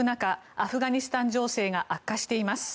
アフガニスタン情勢が悪化しています。